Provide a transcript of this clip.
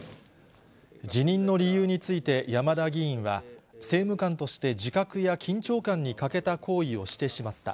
辞任の理由について、山田議員は、政務官として自覚や緊張感に欠けた行為をしてしまった。